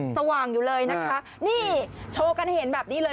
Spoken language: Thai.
สว่างอยู่เลยนะคะนี่โชว์กันให้เห็นแบบนี้เลย